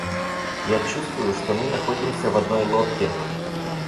Я чувствую, что мы находимся в одной лодке.